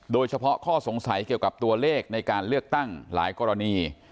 โดยเฉพาะข้อสงสัยเกี่ยวกับตัวเลขในการเลือกตั้งหลายกรณี